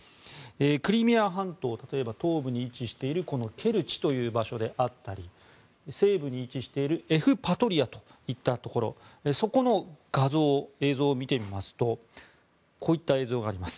クリミア半島例えば東部に位置しているケルチという場所であったり西部に位置しているエフパトリアといったところそこの画像、映像を見てみますとこういった映像があります。